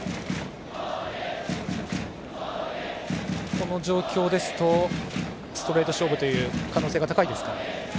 この状況ですとストレート勝負という可能性が高いですか？